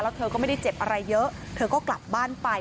เธอก็ไม่ได้เจ็บอะไรเยอะเธอก็กลับบ้านไป